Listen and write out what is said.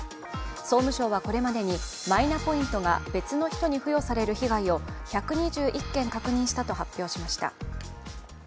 総務省はこれまでにマイナポイントが別の人に付与される被害を１２１件確認したと発表しました。